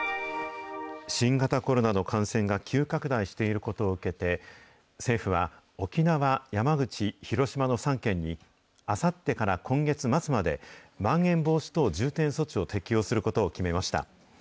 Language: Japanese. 新型コロナの感染が急拡大していることを受けて、政府は、沖縄、山口、広島の３県に、あさってから今月末まで、まん延防止等重点措置を適用することを決めました。